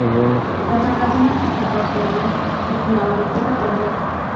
Las relaciones entre Rosselli y Vignoli siempre fueron buenas.